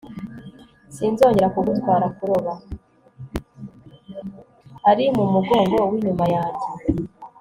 Ari mumugongo winyuma yanjye